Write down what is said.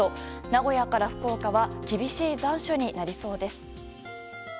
名古屋から福岡は厳しい残暑になりそうです。